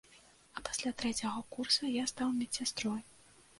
А пасля трэцяга курса я стаў медсястрой.